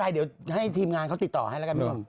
ไม่เป็นไรทีมงานของเขาติดต่อให้กัน